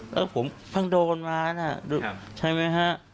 แล้วผมเพิ่งโดนมานะใช่ไหมฮะ